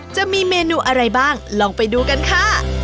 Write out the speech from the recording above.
จะมีเมนูอะไรบ้างลองไปดูกันค่ะ